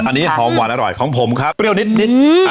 อันนี้หอมหวานอร่อยของผมครับเปรี้ยวนิด